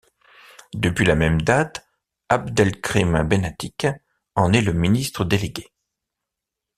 Depuis la même date, Abdelkrim Benatiq en est le ministre délégué.